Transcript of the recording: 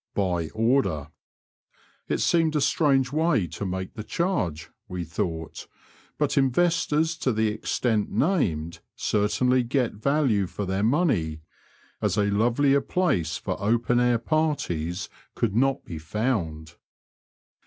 By order." It seemed a strange way to make the charge, we thought, but investors to the extent named certainly get value for their money, as a lovelier place for open air parties could not be found.